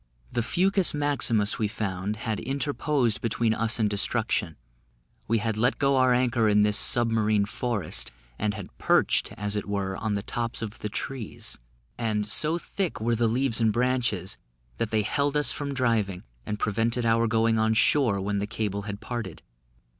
The fucus maximus we found had interposed between us and destruction; we had let go our anchor in this sub marine forest, and had perched, as it were, on the tops of the trees; and, so thick were the leaves and branches, that they held us from driving, and prevented our going on shore when the cable had parted.